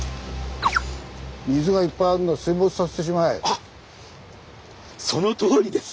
あっそのとおりです！